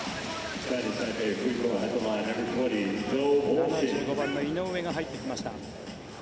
７５番の井上が入っていきました。